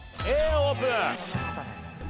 Ａオープン。